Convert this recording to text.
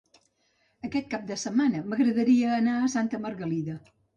Aquest cap de setmana m'agradaria anar a Santa Margalida.